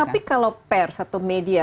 satu satu tapi kalau pers atau media